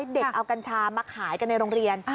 เด็กเอากัญชามาขายกันในโรงเรียน